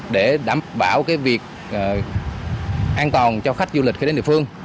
để đảm bảo việc an toàn cho khách du lịch khi đến địa phương